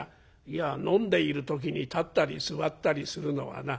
「いや飲んでいる時に立ったり座ったりするのはな